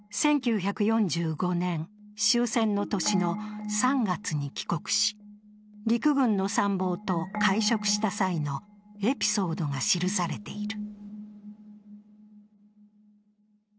１９４５年、終戦の年の３月に帰国し陸軍の参謀と会食した際のエピソードが記されている。